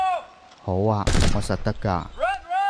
好吖，我實得㗎